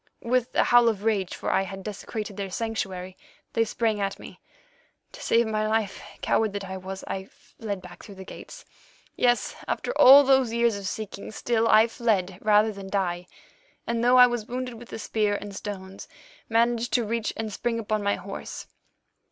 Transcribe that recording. "With a howl of rage, for I had desecrated their sanctuary, they sprang at me. To save my life, coward that I was, I fled back through the gates. Yes, after all those years of seeking, still I fled rather than die, and though I was wounded with a spear and stones, managed to reach and spring upon my horse.